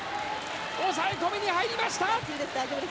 抑え込みに入りました。